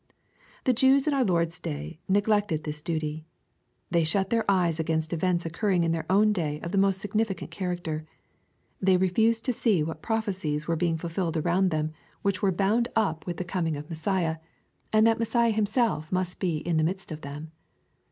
The Jews in our Lord's days neglected this duty. Tney shut their eyes against events occurring in their own day of the most significant character. They refused to see that prophecies were being fulfilled around them which were bound up with 102 EXPOSITORY THOUGHTS. ^•he coming of Messiah, and that Messiah Himself uiust be in the midst of them.